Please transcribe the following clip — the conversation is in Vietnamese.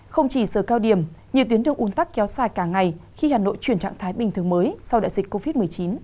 không chỉ giờ cao điểm nhiều tuyến đường un tắc kéo dài cả ngày khi hà nội chuyển trạng thái bình thường mới sau đại dịch covid một mươi chín